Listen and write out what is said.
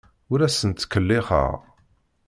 Ur asent-ttkellixeɣ.